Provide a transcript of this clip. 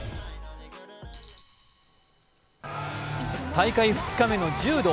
大会２日目の柔道。